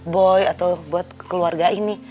boy atau buat keluarga ini